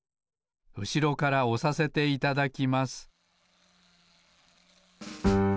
うしろからおさせていただきます